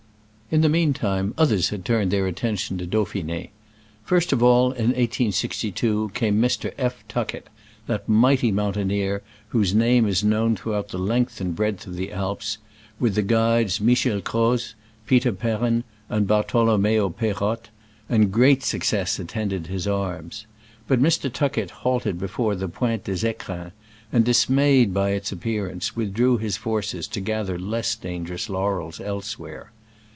In the mean time, others had turned their attention to Dauphine. First of MICHEL AUGUST CKOZ (1865). all (in 1862) came Mr. F. Tuckett— that mighty mountaineer, whose name is known throughout the length and breadth of the Alps — with the guides Michel Croz, Peter Perrn and Bartolommeo Pey rotte, and great success attended his arms. But Mr. Tuckett halted before the Pointe des ficrins, and, dismayed by its appearance, withdrew his forces to gather less dangerous laurels elsewhere.